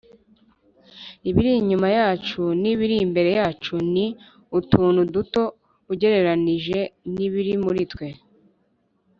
“ibiri inyuma yacu n'ibiri imbere yacu ni utuntu duto ugereranije n'ibiri muri twe.”